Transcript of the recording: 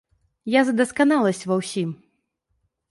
Я за дасканаласць ва ўсім.